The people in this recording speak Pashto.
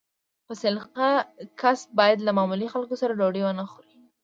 با سلیقه کس باید له معمولي خلکو سره ډوډۍ ونه خوري.